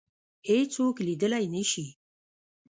هیڅوک لیدلای نه شي